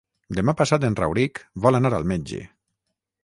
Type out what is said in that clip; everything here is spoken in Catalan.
Demà passat en Rauric vol anar al metge.